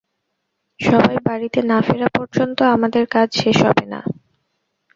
সবাই বাড়িতে না ফেরা পর্যন্ত আমাদের কাজ শেষ হবে না।